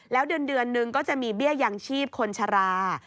แล้วเดือนนึงก็จะมีเบี้ยยังชีพคนชะลา